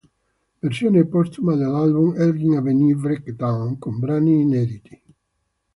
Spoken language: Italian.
Versione postuma dell'album "Elgin Avenue Breakdown", con brani inediti.